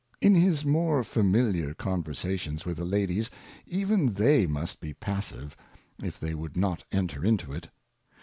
In his more familiar Conversations with the Ladies, even they must be passive, if they would not enter into it.